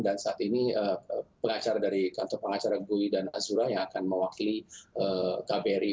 dan saat ini pengacara dari kantor pengacara guli dan azura yang akan mewakili kbri